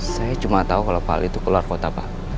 saya cuma tahu kalau pal itu keluar kota pak